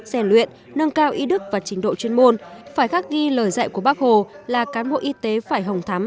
rèn luyện nâng cao ý đức và trình độ chuyên môn phải khắc ghi lời dạy của bác hồ là cán bộ y tế phải hồng thắm